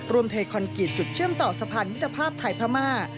เทคอนกรีตจุดเชื่อมต่อสะพานมิตรภาพไทยพม่า